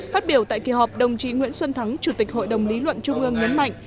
phát biểu tại kỳ họp đồng chí nguyễn xuân thắng chủ tịch hội đồng lý luận trung ương nhấn mạnh